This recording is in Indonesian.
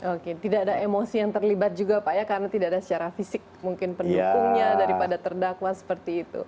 oke tidak ada emosi yang terlibat juga pak ya karena tidak ada secara fisik mungkin pendukungnya daripada terdakwa seperti itu